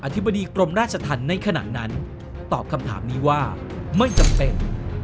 ธิบดีกรมราชธรรมในขณะนั้นตอบคำถามนี้ว่าไม่จำเป็น